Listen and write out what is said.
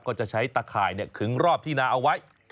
ก็จะใช้ตะข่ายขึงรอบที่นาเอาไว้